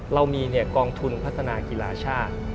เรามีกองทุนพัฒนากีฬาชาติ